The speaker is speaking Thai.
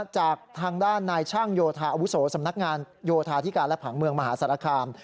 จากทางด้านนายช่างโยธาอาวุโสสำนักงานโยธาธิการและผังเมืองมหาสารคาม